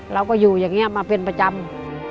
เราก็อยู่อย่างนี้มาเป็นประจำ